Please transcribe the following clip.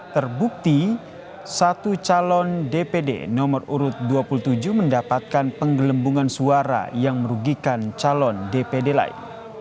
terbukti satu calon dpd nomor urut dua puluh tujuh mendapatkan penggelembungan suara yang merugikan calon dpd lain